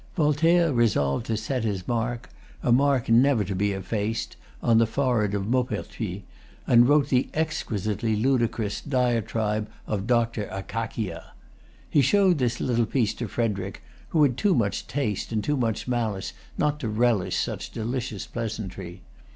Voltaire resolved to set his mark—a mark never to be effaced;—on the forehead of Maupertuis, and wrote the exquisitely ludicrous Diatribe of Doctor Akakia. He showed this little piece to Frederic, who had too much taste and too much malice not to relish such delicious pleasantry.